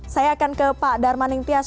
saya akan ke pak darmaning tias